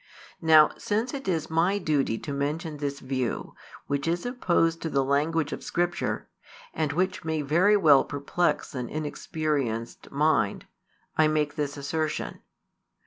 Now since it is my duty to mention this view, which is opposed to the language of Scripture, and which may very well perplex an inexperienced mind, I make this assertion.